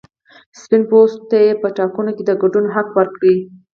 سپین پوستو ته یې په ټاکنو کې د ګډون حق ورکړ.